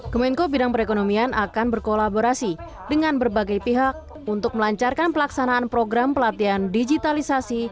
dalam proses sertifikasi halal pemerintah meminta lph untuk melancarkan program pelatihan digitalisasi